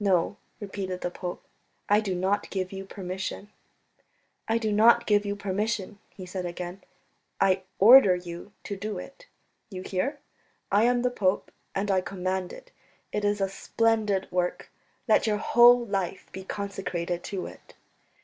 "No," repeated the pope, "I do not give you permission." "I do not give you permission," he said again. "I order you to do it. You hear? I am the pope, and I command it. It is a splendid work; let your whole life be consecrated to it."